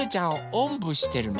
おんぶしてるの？